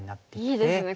いいですね